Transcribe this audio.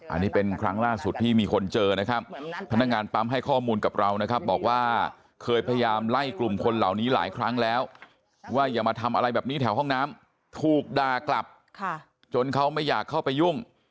อันนี้เป็นครั้งล่าสุดที่มีคนเจอนะครับพนักงานปั๊มให้ข้อมูลกับเรานะครับบอกว่าเคยพยายามไล่กลุ่มคนเหล่านี้หลายครั้งแล้วว่าอย่ามาทำอะไรแบบนี้แถวห้องน้ำถูกด่ากลับจนเขาไม่อยากเข้าไปยุ่ง